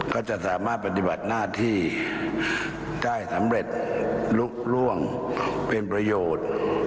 ก็จะสามารถปฏิบัติหน้าที่ได้สำเร็จลุกล่วงเป็นประโยชน์